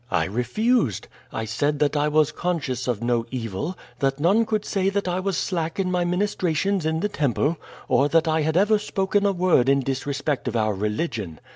I refused. I said that I was conscious of no evil, that none could say that I was slack in my ministrations in the temple, or that I had ever spoken a word in disrespect of our religion.